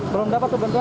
belum dapat tuh bantuan